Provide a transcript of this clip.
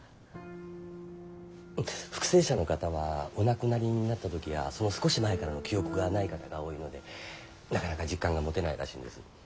復生者の方はお亡くなりになった時やその少し前からの記憶がない方が多いのでなかなか実感が持てないらしいんです。